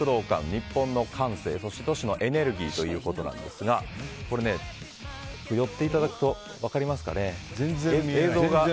日本の感性、都市のエネルギーということなんですが寄っていただくと分かりますかね。